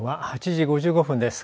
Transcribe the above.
８時５５分です。